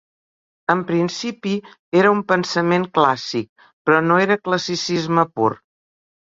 En principi, era un pensament clàssic però no era classicisme pur.